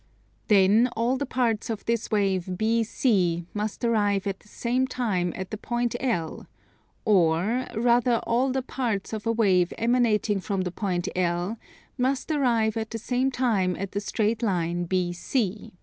Then all the parts of this wave BC must arrive at the same time at the point L; or rather all the parts of a wave emanating from the point L must arrive at the same time at the straight line BC.